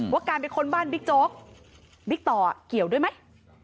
ว่าการเป็นคนบ้านบิคโจ๊กบิคตอร์เกี่ยวด้วยไหม